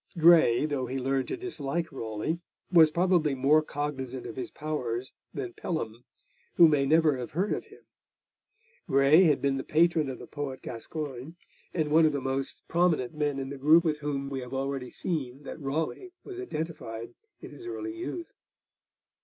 Grey, though he learned to dislike Raleigh, was probably more cognisant of his powers than Pelham, who may never have heard of him. Grey had been the patron of the poet Gascoigne, and one of the most prominent men in the group with whom we have already seen that Raleigh was identified in his early youth.